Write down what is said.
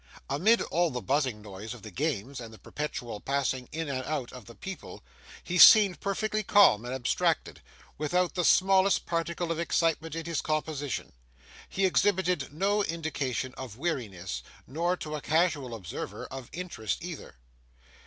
Amid all the buzzing noise of the games, and the perpetual passing in and out of the people, he seemed perfectly calm and abstracted, without the smallest particle of excitement in his composition. He exhibited no indication of weariness, nor, to a casual observer, of interest either.